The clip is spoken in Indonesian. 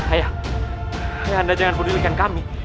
ayah anda jangan pedulikan kami